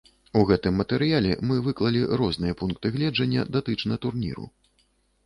У гэтым матэрыяле мы выклалі розныя пункты гледжання датычна турніру.